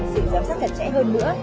sự giám sát thật trễ hơn nữa